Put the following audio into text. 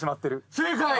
正解。